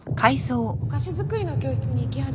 お菓子作りの教室に行き始めたの